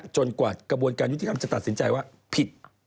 กว่ากระบวนการยุติธรรมจะตัดสินใจว่าผิด